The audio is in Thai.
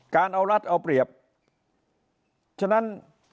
การเอารัฐเอาเปรียบฉะนั้น